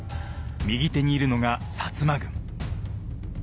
右手にいるのが摩軍。